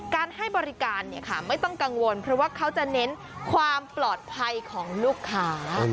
การให้บริการไม่ต้องกังวลเพราะว่าเขาจะเน้นความปลอดภัยของลูกค้า